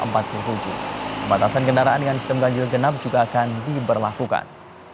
pembatasan kendaraan dengan sistem ganjil genap juga akan diberlakukan